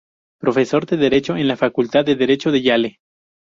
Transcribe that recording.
Profesor de Derecho en la Facultad de Derecho de Yale.